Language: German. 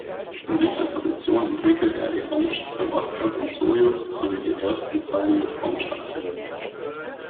In dieser Position entwickelte er die Raumschiffe Wostok und Sojus sowie die ersten Saljut-Raumstationen.